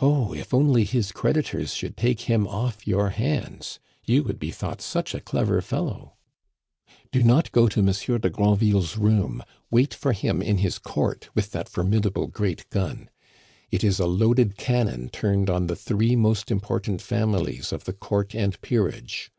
"Oh, if only his creditors should take him off your hands! You would be thought such a clever fellow! Do not go to Monsieur de Granville's room; wait for him in his Court with that formidable great gun. It is a loaded cannon turned on the three most important families of the Court and Peerage.